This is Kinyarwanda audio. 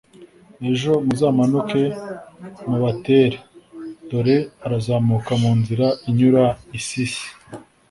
ejo muzamanuke mubatere dore barazamuka mu nzira inyura i sisi